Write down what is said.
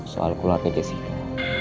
soal keluarga jessica